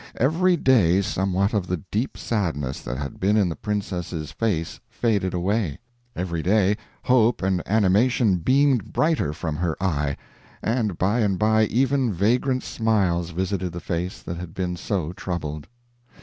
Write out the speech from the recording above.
Every day somewhat of the deep sadness that had been in the princess' face faded away; every day hope and animation beamed brighter from her eye; and by and by even vagrant smiles visited the face that had been so troubled.